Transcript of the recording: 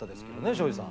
庄司さん。